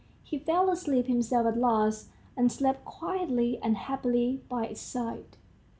He fell asleep himself at last, and slept quietly and happily by its side.